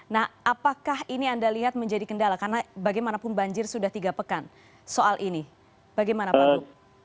nah apakah ini anda lihat menjadi kendala karena bagaimanapun banjir sudah tiga pekan soal ini bagaimana pak gu